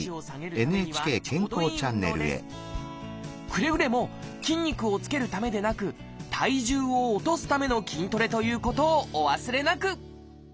くれぐれも筋肉をつけるためでなく体重を落とすための筋トレということをお忘れなく！